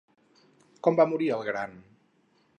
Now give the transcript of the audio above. Com va morir el gran?